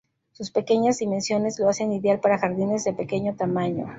Sus pequeñas dimensiones lo hacen ideal para jardines de pequeño tamaño.